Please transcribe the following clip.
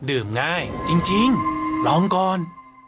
ดื่มง่ายจริงลองก่อน